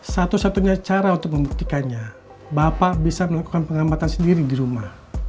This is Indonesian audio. satu satunya cara untuk membuktikannya bapak bisa melakukan pengamatan sendiri di rumah